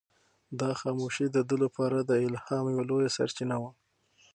دا خاموشي د ده لپاره د الهام یوه لویه سرچینه وه.